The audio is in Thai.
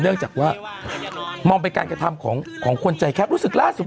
เนื่องจากว่ามองไปการกระทำของคนใจแคปรู้สึกล่าสุด